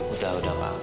udah udah pak